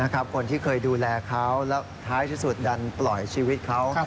คนที่เคยดูแลเขาแล้วท้ายที่สุดดันปล่อยชีวิตเขา